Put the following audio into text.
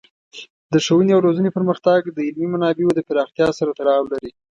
د ښوونې او روزنې پرمختګ د علمي منابعو د پراختیا سره تړاو لري.